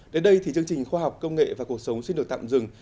đến đây thì chương trình khoa học công nghệ và cuộc sống xin được tạm dừng